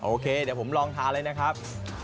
โอเคเดี๋ยวผมลองทานเลยนะครับ